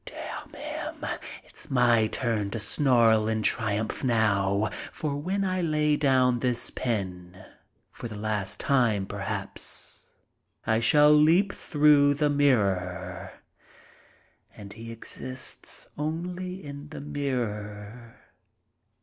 Damn him! It's my turn to snarl in triumph now. For when I lay down this pen, for the last time, perhaps, I shall leap through the mirror. And he exists only in the mirror.